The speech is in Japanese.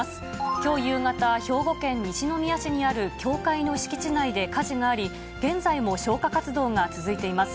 きょう夕方、兵庫県西宮市にある教会の敷地内で火事があり、現在も消火活動が続いています。